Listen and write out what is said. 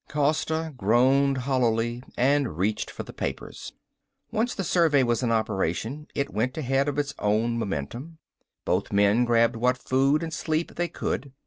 Costa groaned hollowly and reached for the papers. Once the survey was in operation it went ahead of its own momentum. Both men grabbed what food and sleep they could.